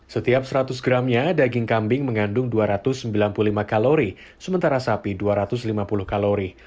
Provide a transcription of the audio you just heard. setiap seratus gramnya daging kambing mengandung dua ratus sembilan puluh lima kalori sementara sapi dua ratus lima puluh kalori